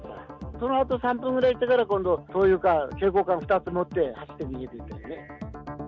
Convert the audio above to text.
そのあと３分ぐらいしてから今度、灯油缶、携行缶２つ持って走って逃げてったよね。